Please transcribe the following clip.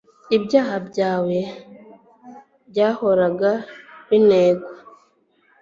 ibyaha byawe byahoraga binengwa